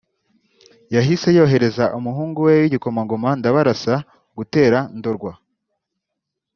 yahise yohereza umuhungu we w’Igikomangoma Ndabarasa gutera Ndorwa